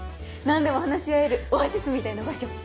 何でも話し合えるオアシスみたいな場所。